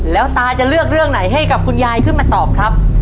แล้วตาจะเลือกเรื่องไหนให้กับคุณยายขึ้นมาตอบครับ